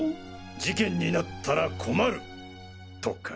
事件になったら困るとか？